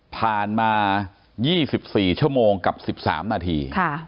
ผ่านมา๒๔ชั่วโมงกับ๑๓นาที